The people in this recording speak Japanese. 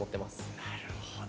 なるほど。